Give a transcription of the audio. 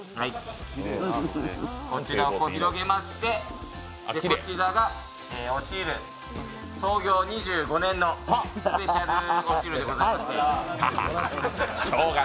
こちらを広げまして、こちらがお汁創業２５年のスペシャルお汁でございまして。